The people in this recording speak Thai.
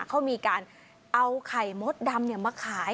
เขามีการเอาไข่มดดำมาขาย